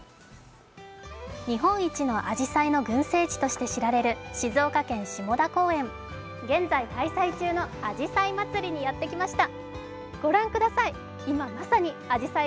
日本一のあじさいの群生地として知られる静岡県下田公園、現在、開催中のあじさい祭にやってきました。